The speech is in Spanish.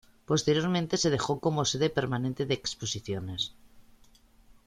Posteriormente se dejó como sede permanente de exposiciones.